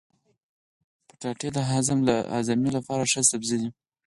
کچالو د هاضمې لپاره ښه سبزی دی.